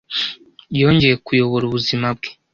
Yongeye kuyobora ubuzima bwe!